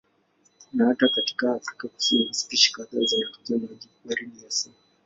Na hata katika Afrika spishi kadhaa zinatokea maji baridi hasa.